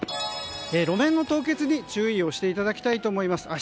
路面の凍結に注意をしていただきたいと思います。